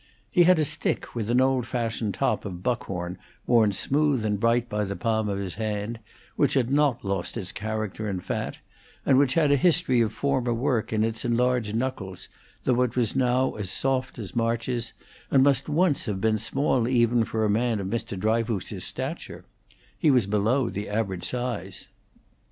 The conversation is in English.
He had a stick with an old fashioned top of buckhorn worn smooth and bright by the palm of his hand, which had not lost its character in fat, and which had a history of former work in its enlarged knuckles, though it was now as soft as March's, and must once have been small even for a man of Mr. Dryfoos's stature; he was below the average size.